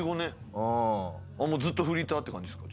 ずっとフリーターって感じですか？